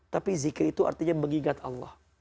tapi zikir itu artinya mengingat allah